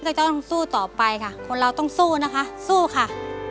จะต้องสู้ต่อไปค่ะคนเราต้องสู้นะคะสู้ค่ะ